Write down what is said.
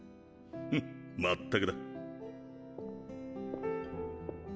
フッまったくだ。